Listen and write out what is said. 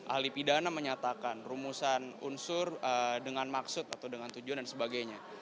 ahli pidana menyatakan rumusan unsur dengan maksud atau dengan tujuan dan sebagainya